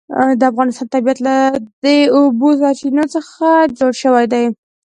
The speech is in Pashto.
د افغانستان طبیعت له د اوبو سرچینې څخه جوړ شوی دی.